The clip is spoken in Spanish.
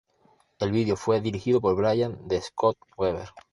El video fue dirigido por Brian de Scott Weber.